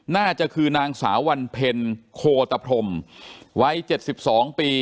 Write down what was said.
น่าจะคือนางสาววันเพลโคตรพรมไว้เจ็ดสิบสองปี